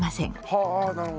はあなるほど。